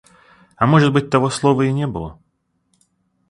А может быть, того слова и не было.